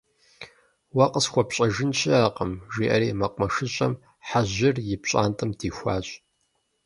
Уэ къысхуэпщӏэжын щыӏэкъым, - жиӏэри Мэкъумэшыщӏэм Хьэжьыр и пщӏантӏэм дихуащ.